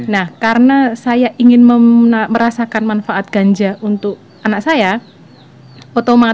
nah karena saya ingin merasakan manfaatnya itu